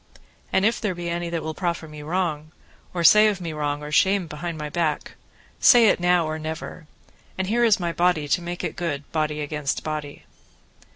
And if there be any that will proffer me wrong, or say of me wrong or shame behind my back, say it now or never, and here is my body to make it good, body against body.